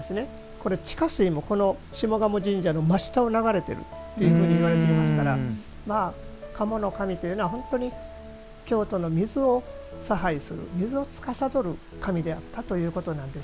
これ、地下水もこの下鴨神社の真下を流れているというふうにいわれておりますから賀茂の神というのは本当に京都の水を水をつかさどる神であったなるほど。